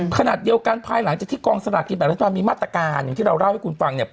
ขณะเดียวกันภายหลังจากที่กองสลากกินแบบรัฐบาลมีมาตรการอย่างที่เราเล่าให้คุณฟังเนี่ย